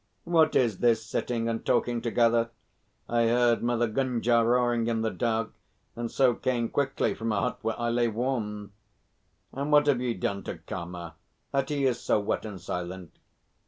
"What is this sitting and talking together? I heard Mother Gunga roaring in the dark, and so came quickly from a hut where I lay warm. And what have ye done to Karma, that he is so wet and silent?